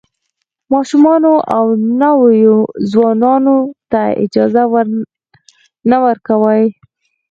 ماشومانو او نویو ځوانانو ته اجازه نه ورکوي.